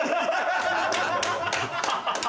ハハハハ！